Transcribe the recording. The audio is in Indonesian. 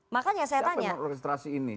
makanya saya tanya siapa yang mengorkestrasi ini